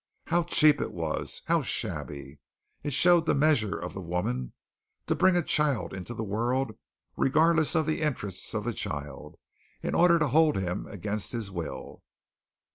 How cheap it was, how shabby! It showed the measure of the woman, to bring a child into the world, regardless of the interests of the child, in order to hold him against his will.